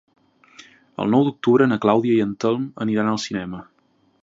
El nou d'octubre na Clàudia i en Telm aniran al cinema.